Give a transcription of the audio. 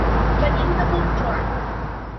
Venim de Montclar.